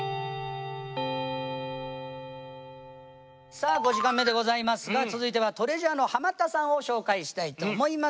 さあ５時間目でございますが続いてはＴＲＥＡＳＵＲＥのハマったさんを紹介したいと思います。